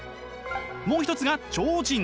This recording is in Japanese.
もう一つが超人。